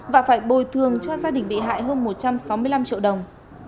và phải bồi thường cho gia đình bị hại hơn một trăm sáu mươi năm triệu đồng